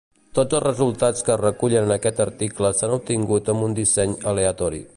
Tots els resultats que es recullen en aquest article s'han obtingut amb un disseny aleatori.